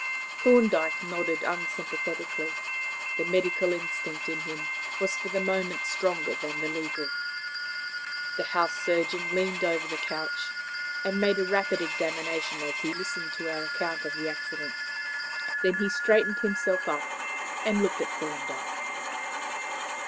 Thorndyke nodded unsympathetically. The medical instinct in him was for the moment stronger than the legal. The house surgeon leaned over the couch, and made a rapid examination as he listened to our account of the accident. Then he straightened himself up and looked at Thorndyke.